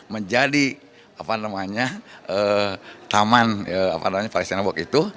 menjadi apa namanya taman apa namanya palestine walk itu